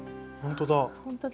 ほんとだ。